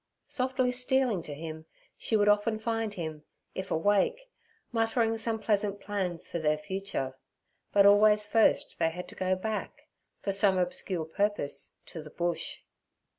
Softly stealing to him, she would often find him, if awake, muttering some pleasant plans for their future; but always first they had to go back, for some obscure purpose, to the Bush.